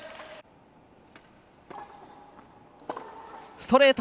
ストレート！